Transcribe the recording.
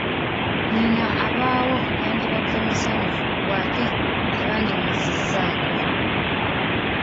Nnyina abaawo yandibadde musanyufu gw’ate tebandimuzizzaako!